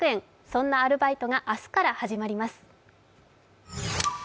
そんなアルバイトが明日から始まります。